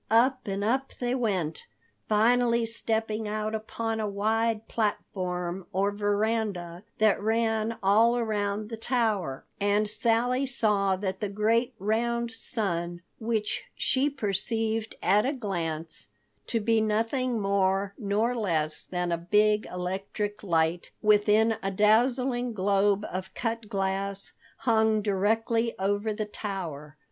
Up and up they went, finally stepping out upon a wide platform or veranda that ran all around the tower, and Sally saw that the great round sun—which she perceived at a glance to be nothing more nor less than a big electric light within a dazzling globe of cut glass—hung directly over the tower.